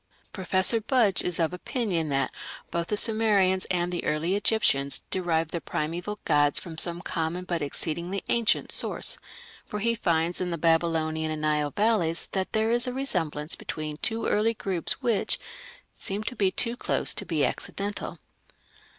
Professor Budge is of opinion that "both the Sumerians and the early Egyptians derived their primeval gods from some common but exceedingly ancient source", for he finds in the Babylonian and Nile valleys that there is a resemblance between two early groups which "seems to be too close to be accidental".